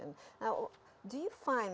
sekarang apakah anda menemukan